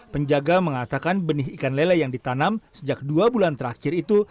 penjaga mengatakan benih ikan lele yang ditanam sejak dua bulan terakhir itu